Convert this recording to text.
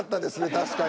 確かに。